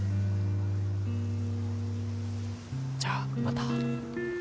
じゃあまた。